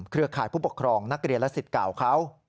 ข่ายผู้ปกครองนักเรียนและสิทธิ์เก่าเขา